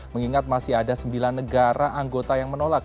mengingat masih ada sembilan negara anggota yang menolak